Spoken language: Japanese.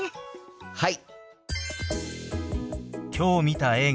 はい！